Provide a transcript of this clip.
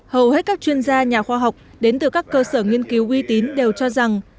hầu hết các chuyên gia nhà khoa học đến từ các cơ sở nghiên cứu uy tín đều cho rằng